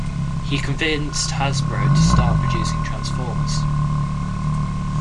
He convinced Hasbro to start producing Transformers.